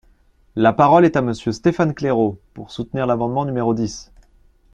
La parole est à Monsieur Stéphane Claireaux, pour soutenir l’amendement numéro dix.